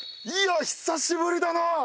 いや久しぶりだな。